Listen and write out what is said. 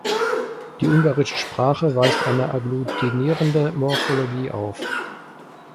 Die ungarische Sprache weist eine agglutinierende Morphologie auf.